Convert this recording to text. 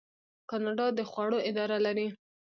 کاناډا د خوړو اداره لري.